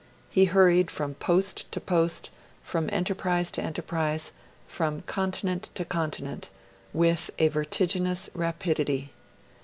He hurried from post to post, from enterprise to enterprise, from continent to continent, with a vertiginous rapidity.